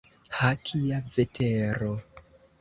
Ha, kia vetero!